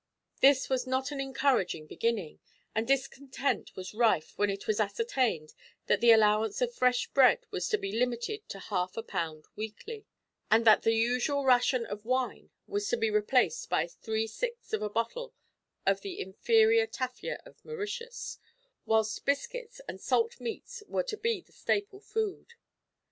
This was not an encouraging beginning, and discontent was rife when it was ascertained that the allowance of fresh bread was to be limited to half a pound weekly, and that the usual ration of wine was to be replaced by three sixths of a bottle of the inferior tafia of Mauritius, whilst biscuits and salt meats were to be the staple food.